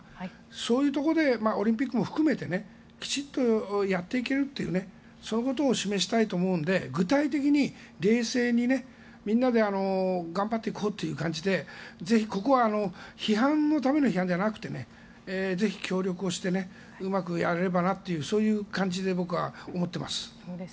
そういうところでオリンピックも含めてきちんとやっていけるというそのことを示したいと思うので具体的に冷静に、みんなで頑張っていこうということでぜひ、ここは批判のための批判じゃなくてぜひ協力をしてうまくやれればなというそういう感じで僕は思っています。